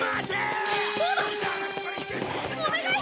お願い！